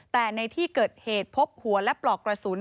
แต่ในที่เกิดเหตุพบหัวและปลอกกระสุน